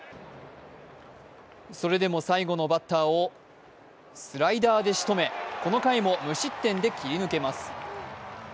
それでも最後のバッターをスライダーでしとめ、この回も無失点で切り抜けます。